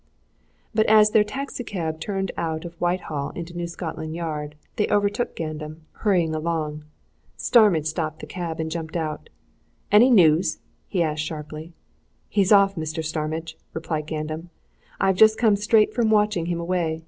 But as their taxi cab turned out of Whitehall into New Scotland Yard they overtook Gandam, hurrying along. Starmidge stopped the cab and jumped out. "Any news?" he asked sharply. "He's off, Mr. Starmidge!" replied Gandam. "I've just come straight from watching him away.